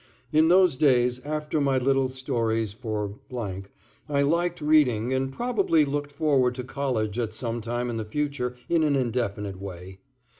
In those days, after my little stories for ... I liked reading and probably looked forward to college at some time in the future in an indefinite way.